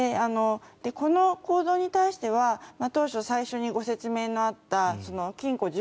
この行動に対しては当初、最初にご説明のあった禁錮